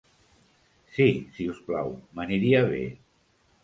Si, si us plau, m'aniria be.